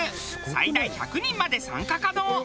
最大１００人まで参加可能。